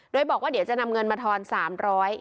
โดยบอกว่าเดี๋ยวจะนำเงินมาทอน๓๐๐บาท